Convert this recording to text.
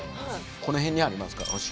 この辺にありますからお尻。